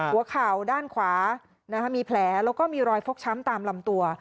หัวเข่าด้านขวามีแผลแล้วก็มีรอยฟกช้ำตามลำตัว